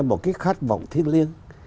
một cái khát vọng thiêng liêng